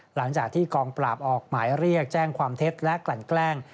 หลังจากที่กองปราบออกหมายเรียกแจ้งความเท็จและกลั่นแกล้ง